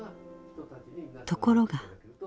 ところが。